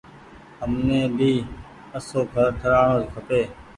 همني ڀي آسو گھر ٺرآڻو کپي۔